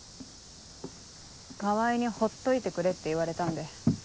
川合にほっといてくれって言われたんで。